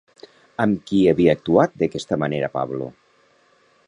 Amb qui havia actuat d'aquesta manera Pablo?